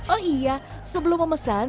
oh iya sebelum memesan